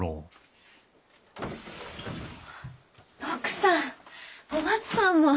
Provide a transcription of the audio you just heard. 六さんお松さんも。